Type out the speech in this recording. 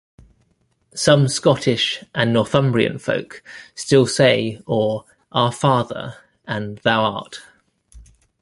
Some Scottish and Northumbrian folk still say or "our father" and "thou art".